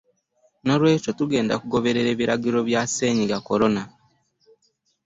Noolwekyo tugenda kugoberera ebiragiro bya Ssennyiga Corona